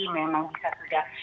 memang bisa sudah